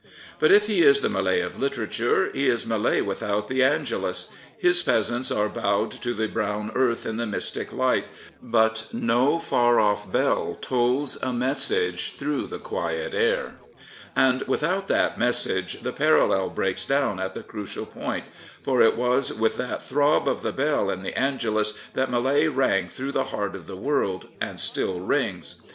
But if he is the Millet of literature, he is Millet without the " Angelus/' His peasants are bowed to the brown earth in the mystic light, but no far off bell tolls a message through the quiet air. And without that message the parallel breaks down at the crucial point, for it was with that throb of the bell in the " Angelus that Millet rang through the heart of the world and still rings.